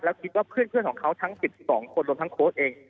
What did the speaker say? แล้วคิดว่าเพื่อนของเขาทั้ง๑๒คนรวมทั้งโค้ชเอง